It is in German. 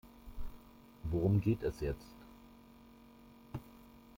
Worum geht es jetzt?